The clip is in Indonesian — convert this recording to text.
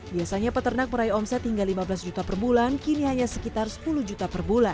biasanya peternak meraih omset hingga lima belas juta per bulan kini hanya sekitar sepuluh juta per bulan